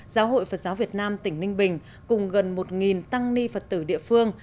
giáo hội phật giáo việt nam tỉnh ninh bình cùng gần một tăng ni phật tử địa phương